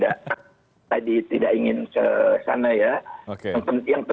betul jujur ada dikawal fillac teddy saat pribadi mati cuestuna yang nobel sembilan belas